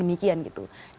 jangan sekarang terkesan